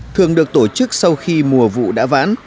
thường được tổ chức sau khi mùa vụ đã ván